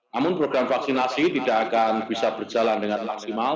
namun program vaksinasi tidak akan bisa berjalan dengan maksimal